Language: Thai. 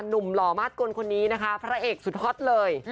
หนุ่มหล่อมากกว่าคนนี้นะคะพระเอกสุดฮอตเลย